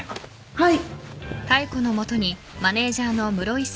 はい。